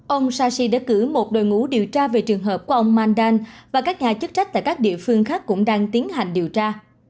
ông sashi đã cử một đội ngũ điều tra về trường hợp của ông mandan và các nhà chức trách tại các địa phương khác cũng đang tiến hành điều tra